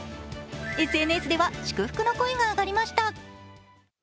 ＳＮＳでは祝福の声が上がりました。